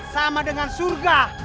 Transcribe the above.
sama dengan surga